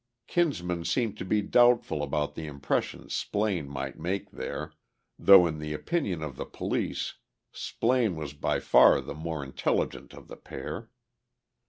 Kinsman seemed to be doubtful about the impression Splaine might make there, though in the opinion of the police Splaine was by far the more intelligent of the pair.